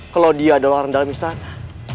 kalau dia adalah orang dalam istana